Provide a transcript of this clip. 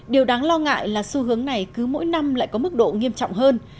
điều đáng lo ngại là xu hướng này cứ mỗi năm lại có mức độ nghiêm trọng hơn